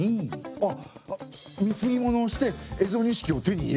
あっ貢物をして蝦夷錦を手に入れた。